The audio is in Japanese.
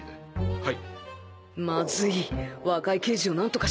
はい。